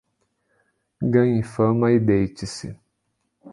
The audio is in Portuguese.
Ganhe fama e deite-se.